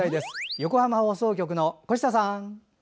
横浜放送局の越田さん。